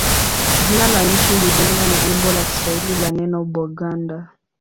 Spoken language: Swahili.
Jina la nchi Uganda ni umbo la Kiswahili la neno Buganda.